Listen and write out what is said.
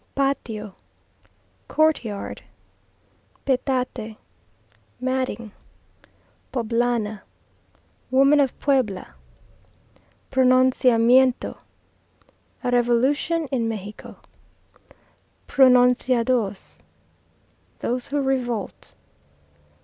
Patio Courtyard. Petate Matting. Poblana Woman of Puebla. Pronunciamiento A revolution in Mexico. Pronunciados Those who revolt.